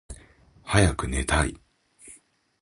はやくねたい。